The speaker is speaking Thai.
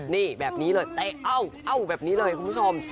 นี่แบบนี้เลยเตะเอ้าเอ้าแบบนี้เลยคุณผู้ชม